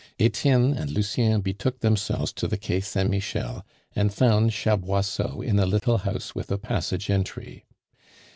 Etienne and Lucien betook themselves to the Quai Saint Michel, and found Chaboisseau in a little house with a passage entry.